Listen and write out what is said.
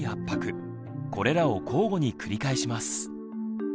これらを交互に繰り返します。